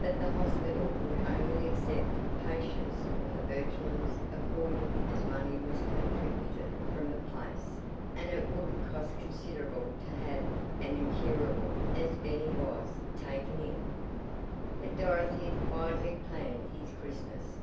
But the hospital would only accept patients from the Birchlands according as money was contributed from the place, and it would cost considerable to have an incurable (as Bennie was) taken in. But Dorothy had quietly planned his Christmas.